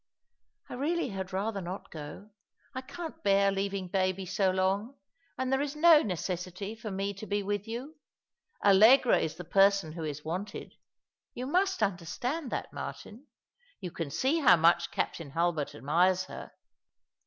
*' I really had rather not go. I can't bear leaving baby so long; and there is no necessity for me to be with you. Allegra is the person who is wanted. You must under stand that, Martin. You can see how much Captain Hulbert admires her."